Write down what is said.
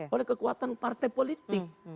oleh kekuatan partai politik